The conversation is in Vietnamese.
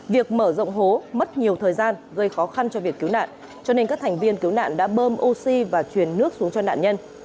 việc mở rộng hố mất nhiều thời gian gây khó khăn cho việc cứu nạn cho nên các thành viên cứu nạn đã bơm oxy và truyền nước xuống cho nạn nhân